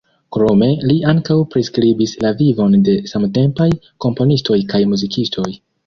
Krome li ankaŭ priskribis la vivon de samtempaj komponistoj kaj muzikistoj.